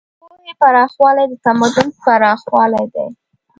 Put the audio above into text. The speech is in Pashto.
د پوهې پراخوالی د تمدن پراخوالی دی.